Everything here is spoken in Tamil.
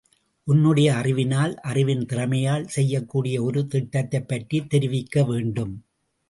உன்னுடைய அறிவினால், அறிவின் திறமையால் செய்யக்கூடிய ஒரு திட்டத்தைப் பற்றித் தெரிவிக்க வேண்டும்.